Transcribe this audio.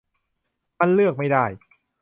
มันเลือกไม่ได้